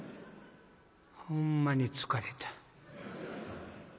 ほんまに疲れた。